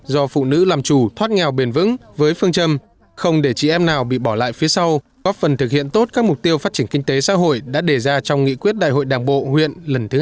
do phụ nữ làm chủ thoát nghèo bền vững với phương châm không để chị em nào bị bỏ lại phía sau góp phần thực hiện tốt các mục tiêu phát triển kinh tế xã hội đã đề ra trong nghị quyết đại hội đảng bộ huyện lần thứ hai mươi